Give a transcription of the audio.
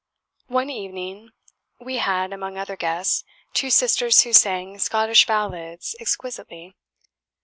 One evening we had, among other guests, two sisters who sang Scottish ballads exquisitely.